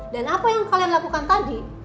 dan apa yang kalian lakukan tadi